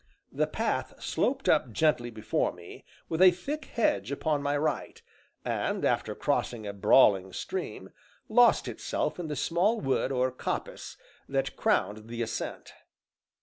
The path sloped up gently before me, with a thick hedge upon my right, and, after crossing a brawling stream, lost itself in the small wood or coppice, that crowned the ascent.